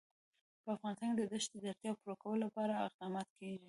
په افغانستان کې د دښتې د اړتیاوو پوره کولو لپاره اقدامات کېږي.